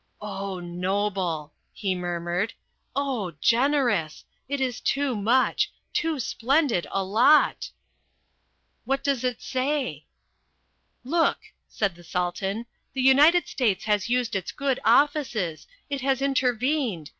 "Oh noble," he murmured. "Oh generous! It is too much. Too splendid a lot!" "What does it say?" "Look," said the Sultan. "The United States has used its good offices. It has intervened!